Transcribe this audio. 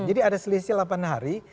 jadi ada selisih delapan hari